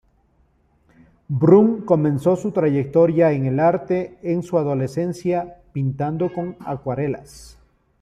Brun comenzó su trayectoria en el arte en su adolescencia, pintando con acuarelas.